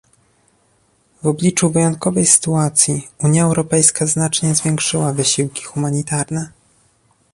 W obliczu wyjątkowej sytuacji Unia Europejska znacznie zwiększyła wysiłki humanitarne